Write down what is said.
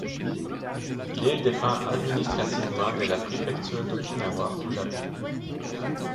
L'île dépend administrativement de la préfecture d'Okinawa, au Japon.